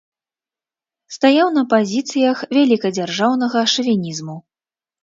Стаяў на пазіцыях вялікадзяржаўнага шавінізму.